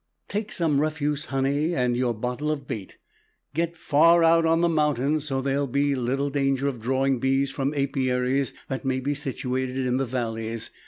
Take some refuse honey and your bottle of bait, get far out on the mountains, so there will be little danger of drawing bees from apiaries that may be situated in the valleys.